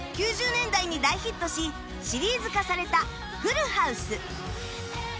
９０年代に大ヒットしシリーズ化された『フルハウス』